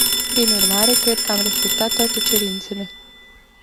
Prin urmare, cred că am respectat toate cerințele.